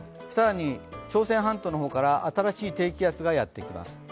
更に朝鮮半島の方から新しい低気圧がやってきます。